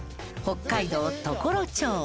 北海道常呂町。